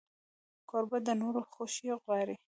کوربه د نورو خوښي غواړي.